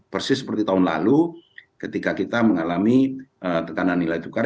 persis seperti tahun lalu ketika kita mengalami tekanan nilai tukar